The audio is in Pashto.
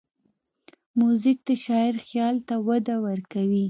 موزیک د شاعر خیال ته وده ورکوي.